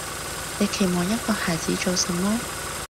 你期望一個孩子做什麼？